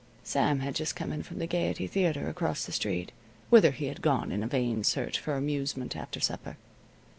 Sam had just come in from the Gayety Theater across the street, whither he had gone in a vain search for amusement after supper.